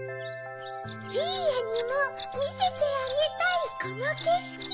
「じいやにもみせてあげたいこのけしき」。